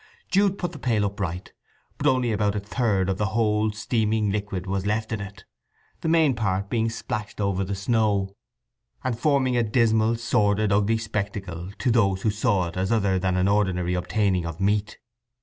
Jude put the pail upright, but only about a third of the whole steaming liquid was left in it, the main part being splashed over the snow, and forming a dismal, sordid, ugly spectacle—to those who saw it as other than an ordinary obtaining of meat.